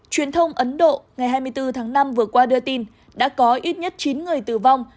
truyền thông ấn độ ngày hai mươi bốn tháng năm vừa qua đưa tin đã có ít nhất chín người tử vong